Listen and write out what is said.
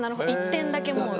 １点だけもう。